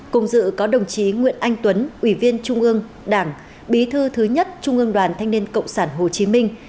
cùng dự có đồng chí nguyễn anh tuấn ủy viên trung ương đảng bí thư thứ nhất trung ương đoàn thanh niên cộng sản hồ chí minh